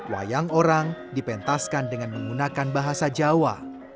wayang orang dipentaskan dengan menggunakan bahasa jawa